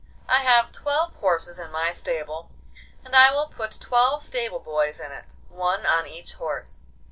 I have twelve horses in my stable, and I will put twelve stable boys in it, one on each horse.